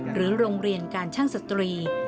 หรือโรงเรียนการช่างสตรี